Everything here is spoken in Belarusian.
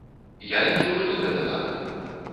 Я лічу, што гэта так.